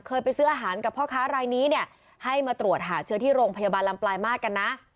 ไปซื้ออาหารกับพ่อค้ารายนี้เนี่ยให้มาตรวจหาเชื้อที่โรงพยาบาลลำปลายมาตรกันนะ